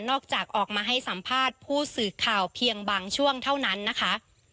ออกมาให้สัมภาษณ์ผู้สื่อข่าวเพียงบางช่วงเท่านั้นนะคะ